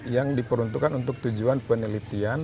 yang diperuntukkan untuk tujuan penelitian